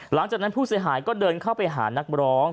หลังจากนั้นผู้เสียหายก็เดินเข้าไปหานักร้อง